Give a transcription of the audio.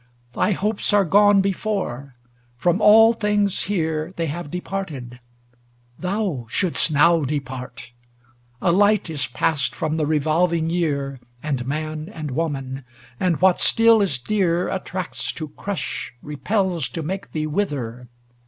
Thy hopes are gone before; from all things here They have departed ; thou shouldst now depart ! A light is passed from the revolving year. And man, and woman; and what still is dear Attracts to crush, repels to make thee wither.